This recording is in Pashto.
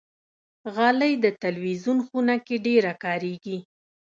غالۍ د تلویزون خونه کې ډېره کاریږي.